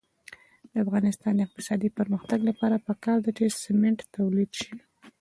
د افغانستان د اقتصادي پرمختګ لپاره پکار ده چې سمنټ تولید شي.